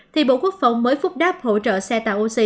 thì bộ quốc phòng mới phúc đáp hỗ trợ xe tạo oxy